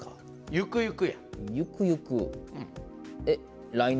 ゆくゆく。